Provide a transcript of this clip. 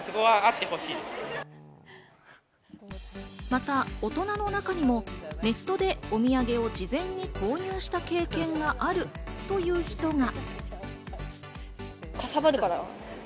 また、大人の中にもネットでお土産を事前に購入した経験があるという人が。